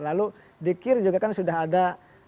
lalu dikir juga kan sudah ada